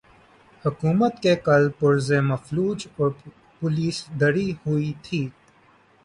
حکومت کے کل پرزے مفلوج اور پولیس ڈری ہوئی تھی۔